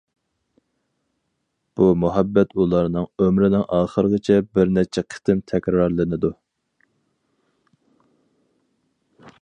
بۇ مۇھەببەت ئۇلارنىڭ ئۆمرىنىڭ ئاخىرىغىچە بىر نەچچە قېتىم تەكرارلىنىدۇ.